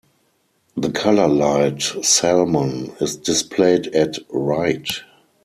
The color light salmon is displayed at right.